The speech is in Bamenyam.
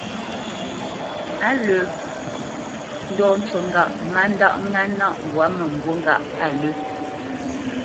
Á lə́ ndɔ́ ncú ŋgâʼ má ndáʼ ŋá nâʼ mbwǎ mə̂mbû ŋgâʼ á lə̂.